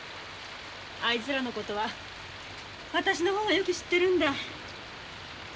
あいつらの事は私の方がよく知ってるんだ。